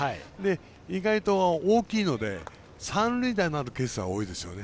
意外と大きいので三塁打になるケースが大きいですよね。